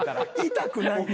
痛くないの？